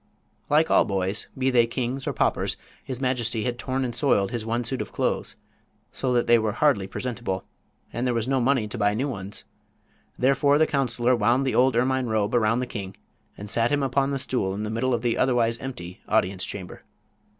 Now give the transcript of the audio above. Like all boys, be they kings or paupers, his majesty had torn and soiled his one suit of clothes, so that they were hardly presentable; and there was no money to buy new ones. Therefore the counselor wound the old ermine robe around the king and sat him upon the stool in the middle of the otherwise empty audience chamber.